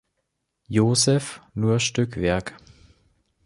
Josef nur Stückwerk.